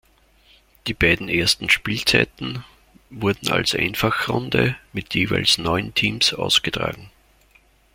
Die beiden ersten Spielzeiten wurden als Einfachrunde mit jeweils neun Teams ausgetragen.